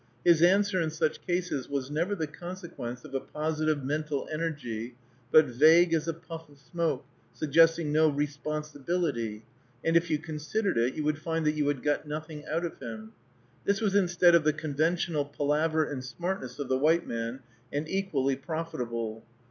His answer, in such cases, was never the consequence of a positive mental energy, but vague as a puff of smoke, suggesting no responsibility, and if you considered it, you would find that you had got nothing out of him. This was instead of the conventional palaver and smartness of the white man, and equally profitable.